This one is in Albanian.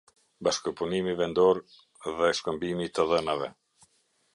Bashkëpunimi vendor dhe shkëmbimi i të dhënave.